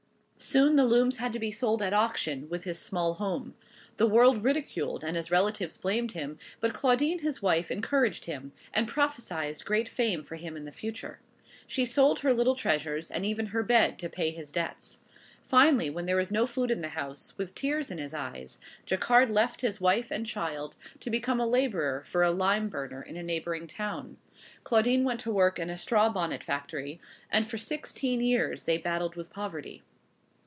Soon the looms had to be sold at auction, with his small home. The world ridiculed, and his relatives blamed him; but Claudine his wife encouraged him, and prophesied great fame for him in the future. She sold her little treasures, and even her bed, to pay his debts. Finally, when there was no food in the house, with tears in his eyes, Jacquard left his wife and child, to become a laborer for a lime burner in a neighboring town. Claudine went to work in a straw bonnet factory; and for sixteen years they battled with poverty.